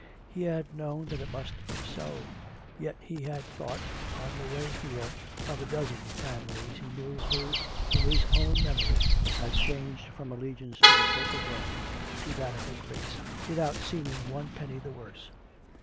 He had known that it must be so; yet he had thought, on the way here, of a dozen families he knew who, in his own memory, had changed from allegiance to the Pope of Rome to that of her Grace, without seeming one penny the worse.